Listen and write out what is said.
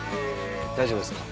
大丈夫ですか？